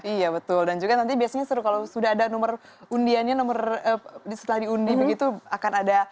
iya betul dan juga nanti biasanya seru kalau sudah ada nomor undiannya nomor setelah diundi begitu akan ada